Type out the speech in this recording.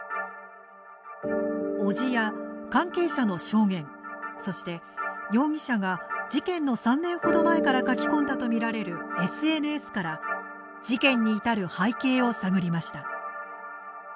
おじや関係者の証言そして容疑者が事件の３年ほど前から書き込んだとみられるＳＮＳから事件に至る背景を探りました。